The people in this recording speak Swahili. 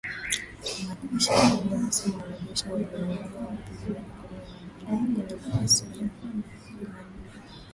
Msemaji wa jeshi la Kongo, amesema, wanajeshi waliwaua wapiganaji kumi na moja wa kundi la waasi jana Jumanne